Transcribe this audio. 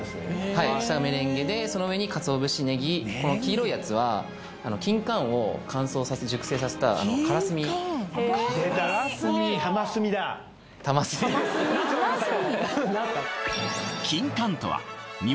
はい下はメレンゲでその上に鰹節ネギこの黄色いやつはキンカンを乾燥させ熟成させたカラスミたまスミです